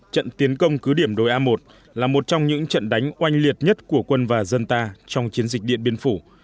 trận tiến công cứ điểm đồi a một là một trong những trận đánh oanh liệt nhất của quân và dân ta trong chiến dịch điện biên phủ